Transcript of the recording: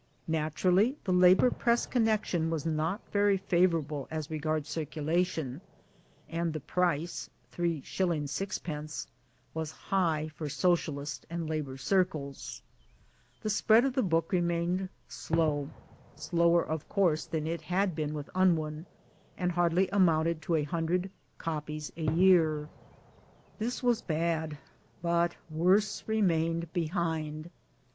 Naturally the Labour Press connection was not very favor THE STORY OF MY BOOKS 199 able as regards circulation, and the price (35. 6d.) was high for Socialist and Labour circles. The spread of the book remained slow slower of course than it had been with Unwin, and hardly amounted to a hundred copies a year. This was bad ; but worse remained behind.